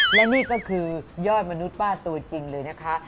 และนี่ก็คือยอดมนุษย์ป้าตัวจริงเลยนะคะ